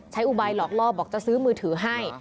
อุบัยหลอกล่อบอกจะซื้อมือถือให้